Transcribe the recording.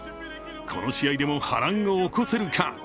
この試合でも波乱を起こせるか？